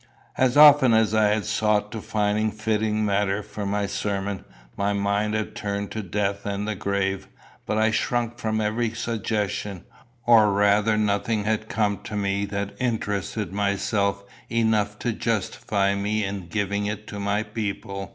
As often as I had sought to find fitting matter for my sermon, my mind had turned to death and the grave; but I shrunk from every suggestion, or rather nothing had come to me that interested myself enough to justify me in giving it to my people.